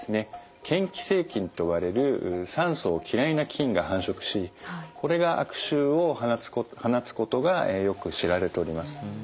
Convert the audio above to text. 嫌気性菌と呼ばれる酸素を嫌いな菌が繁殖しこれが悪臭を放つことがよく知られております。